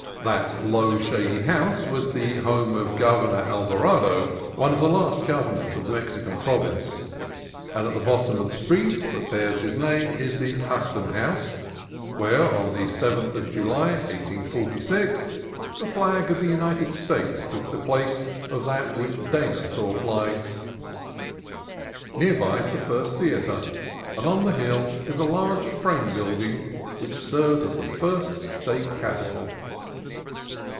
That low shady house was the home of Governor Alvarado, one of the last governors of the Mexican province ; and at the bottom of the street that bears his name is the Custom House, where, on the 7th of THE STEVENSON HOUSE 221 July, 1846, the flag of the United States took the place of that which Dana saw flying. Near by is the first theatre, and on the hill is a large frame building which served as the first State Capitol.